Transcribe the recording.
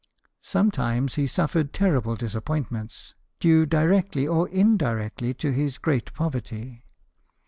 Sometimes he suffered terrible disappoint ments, due directly or indirectly to his great poverty.